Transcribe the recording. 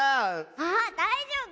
あだいじょうぶ。